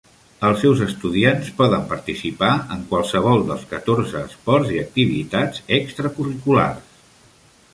Els seus estudiants poden participar en qualsevol dels catorze esports i activitats extracurriculars.